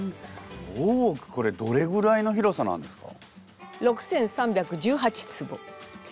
大奥これどれぐらいの広さなんですか？